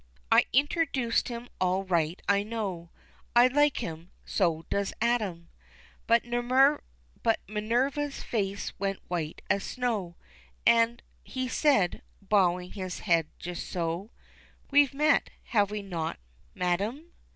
') I introduced him all right I know I like him so does Adam, But Minerva's face went white as snow, And he said, bowing his head, just so "We've met, have we not, madam?"